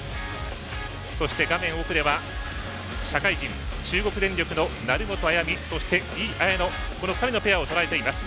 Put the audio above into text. そして、画面奥では社会人、中国電力の成本綾海、井絢乃この２人のペアをとらえています。